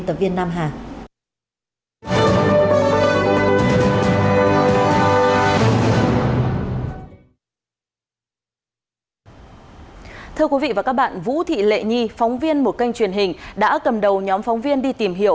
thưa quý vị và các bạn vũ thị lệ nhi phóng viên một kênh truyền hình đã cầm đầu nhóm phóng viên đi tìm hiểu